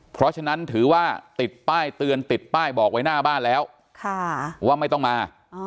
เพราะฉะนั้นถือว่าติดป้ายเตือนติดป้ายบอกไว้หน้าบ้านแล้วว่าไม่ต้องมา